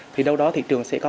thì đâu đó thị trường sẽ có